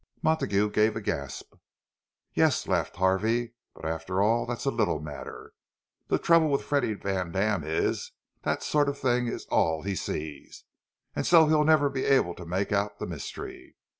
Montague gave a gasp. "Yes," laughed Harvey. "But after all, that's a little matter. The trouble with Freddie Vandam is that that sort of thing is all he sees; and so he'll never be able to make out the mystery.